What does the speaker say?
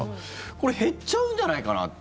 これ、減っちゃうんじゃないかなって。